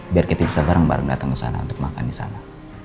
biar kita bisa bareng bareng datang ke sana untuk makan di sana